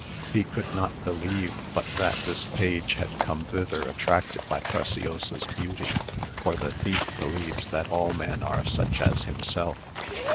He could not believe but that this page had come thither attracted by Preciosa's beauty; for the thief believes that all men are such as himself.